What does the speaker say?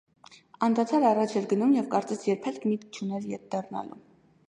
Անդադար առաջ էր գնում և, կարծես, երբեք միտք չուներ ետ դառնալու: